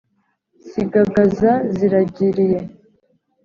sigagaza ziragiriye